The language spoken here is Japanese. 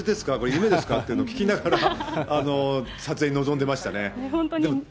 夢ですか？というのを聞きながら、撮影に臨んでましたね。